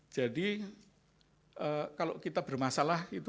jadi kalau kita bermasalah itu